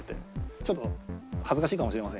ちょっと恥ずかしいかもしれませんが。